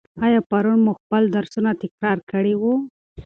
آیا پرون مو خپل درسونه تکرار کړي وو؟